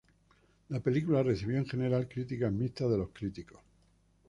La película recibió en general críticas mixtas de los críticos.